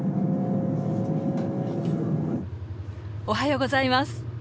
おはようございます！